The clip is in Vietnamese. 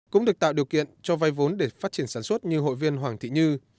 cũng được tạo điều kiện cho vay vốn để phát triển sản xuất như hội viên hoàng thị như